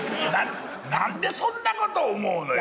何でそんなことを思うのよ。